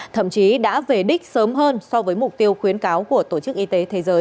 thậm chí đã về đích sớm hơn so với mục tiêu khuyến cáo của tổ chức y tế thế giới